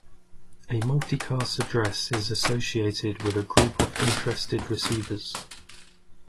A multicast address is associated with a group of interested receivers.